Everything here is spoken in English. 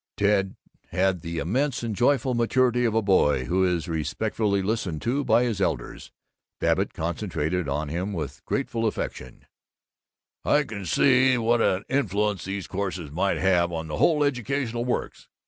Ted had the immense and joyful maturity of a boy who is respectfully listened to by his elders. Babbitt concentrated on him with grateful affection: "I can see what an influence these courses might have on the whole educational works.